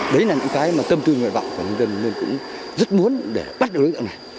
đấy là những cái mà tâm tư nguyện vọng của nhân dân nên cũng rất muốn để bắt được đối tượng này